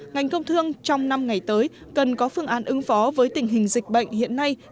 ngành công thương trong năm ngày tới cần có phương án ứng phó với tình hình dịch bệnh hiện nay